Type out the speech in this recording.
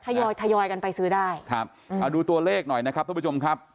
ทยอยทยอยกันไปซื้อได้ครับอ่าดูตัวเลขหน่อยนะครับทุกผู้ชมครับ